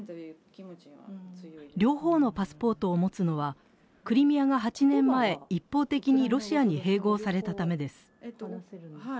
両方のパスポートを持つのはクリミアが８年前、一方的にロシアに併合されたためです。